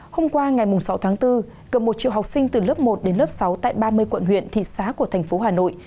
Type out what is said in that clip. hôm qua ngày sáu tháng bốn gần một triệu học sinh từ lớp một đến lớp sáu tại ba mươi quận huyện thị xã của thành phố hà nội